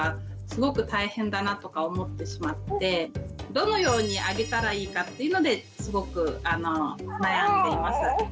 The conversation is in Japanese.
どのようにあげたらいいかっていうのですごく悩んでいます。